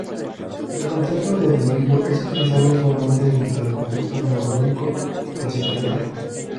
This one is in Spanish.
El concepto de delirio es utilizado usualmente dentro del contexto neurológico o psiquiátrico.